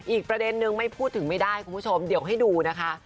อีกประเด็นนึงไม่พูดถึงไม่ได้คุณผู้ชมเดี๋ยวให้ดูนะคะ